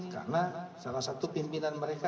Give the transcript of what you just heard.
karena salah satu pimpinan mereka